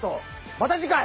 また次回！